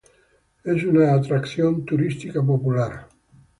Es una atracción turística popular.